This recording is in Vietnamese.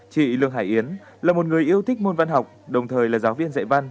chị lương hải yến là một người yêu thích môn văn học đồng thời là giáo viên